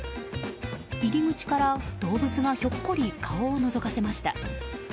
入り口から動物がひょっこり顔をのぞかせました。